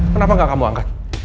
kenapa gak kamu angkat